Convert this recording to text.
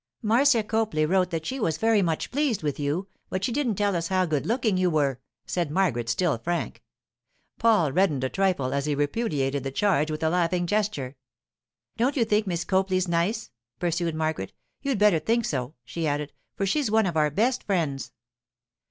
'Marcia Copley wrote that she was very much pleased with you, but she didn't tell us how good looking you were,' said Margaret, still frank. Paul reddened a trifle as he repudiated the charge with a laughing gesture. 'Don't you think Miss Copley's nice?' pursued Margaret. 'You'd better think so,' she added, 'for she's one of our best friends.